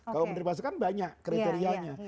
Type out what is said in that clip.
kalau menerima zakat banyak kriteriannya